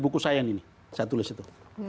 buku saya yang ini saya tulis itu